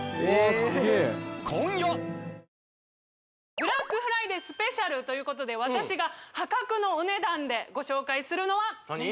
ブラックフライデーＳＰということで私が破格のお値段でご紹介するのは何？